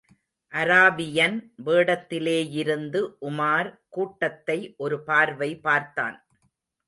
Arabian வேடத்திலேயிருந்து Umar கூட்டத்தை ஒரு பார்வை பார்த்தான்.